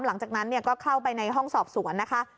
หลังจากนั้นก็เข้าไปในห้องสอบสวนนะคะ